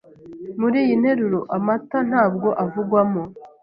Mur’iyi nteruro, amata ntabwo avugwamo.